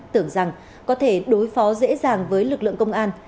tưởng rằng có thể đối phó dễ dàng với lực lượng công an